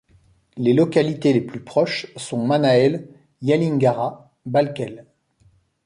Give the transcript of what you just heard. Les localités les plus proches sont Manael, Yelingara, Balkel.